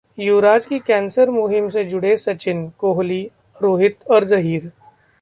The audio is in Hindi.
युवराज की कैंसर मुहिम से जुड़े सचिन, कोहली, रोहित और जहीर